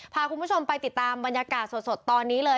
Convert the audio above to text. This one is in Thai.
พาคุณผู้ชมไปติดตามบรรยากาศสดตอนนี้เลย